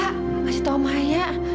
gak kasih tahu maya